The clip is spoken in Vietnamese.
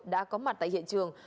đã có mặt tại hiện trường